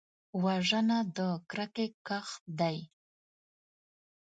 وژنه د کرکې کښت دی